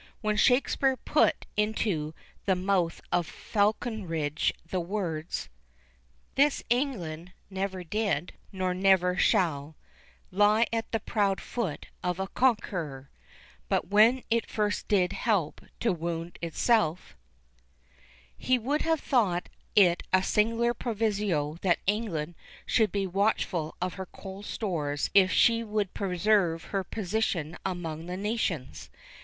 When Shakespeare put into the mouth of Faulconbridge the words— This England never did, nor never shall, Lie at the proud foot of a conqueror, But when it first did help to wound itself, he would have thought it a singular proviso that England should be watchful of her coal stores if she would preserve her position among the nations.